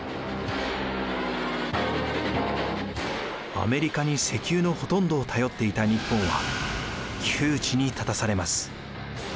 アメリカに石油のほとんどを頼っていた日本は窮地に立たされます。